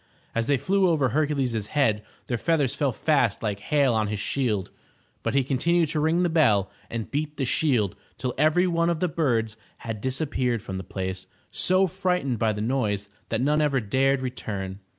As they flew over Hercules' head, their feathers fell fast like hail on his shield, but he continued to ring the bell and beat the shield till every one of the birds had disappeared from the place, so frightened by the noise that none ever dared return.